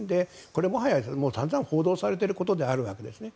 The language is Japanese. これ、もはや散々報道されていることであるわけですね。